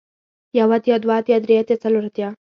يو اتيا دوه اتيا درې اتيا څلور اتيا